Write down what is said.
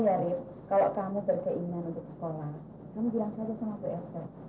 oh iya rif kalau kamu berkeinginan untuk sekolah kamu bilang saja sama bu esther